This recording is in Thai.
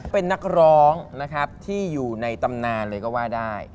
เป็นนักร้องนะครับที่อยู่ในตำนานเลยก็ว่าได้